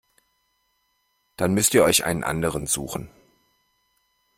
Dann müsst ihr euch einen anderen suchen.